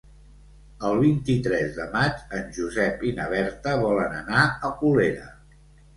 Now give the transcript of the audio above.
El vint-i-tres de maig en Josep i na Berta volen anar a Colera.